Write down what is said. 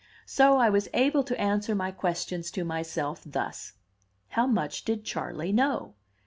So I was able to answer my questions to myself thus: How much did Charley know?